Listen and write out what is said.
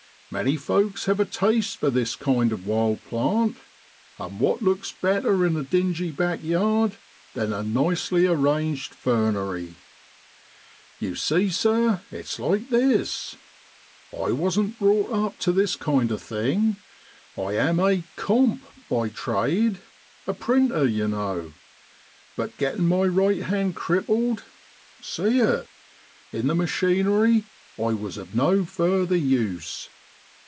Many folks have a taste for this kind of wild plant ; and what looks better in a dingy backyard than a nicely arranged fernery ?' You see, sir, it's like this. I wasn't brought up to this kind of thing. I am a f comp.' by trade a printer, you know but getting my right hand crippled (see it) in the machinery, I was of no further use.